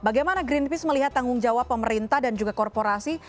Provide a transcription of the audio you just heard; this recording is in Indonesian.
bagaimana greenpeace melihat tanggung jawab pemerintah dan juga korporasi